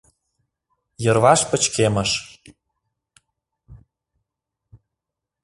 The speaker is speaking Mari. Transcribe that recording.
Йырваш пычкемыш.